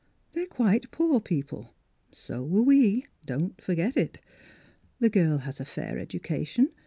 They're quite poor people ; so were we. Don't forget it. The girl has a fair edu cation.